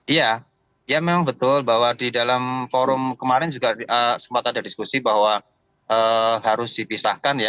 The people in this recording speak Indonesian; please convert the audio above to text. iya ya memang betul bahwa di dalam forum kemarin juga sempat ada diskusi bahwa harus dipisahkan ya